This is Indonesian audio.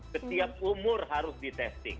setiap umur harus di testing